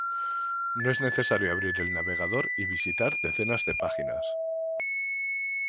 No es necesario abrir el navegador y visitar decenas de páginas.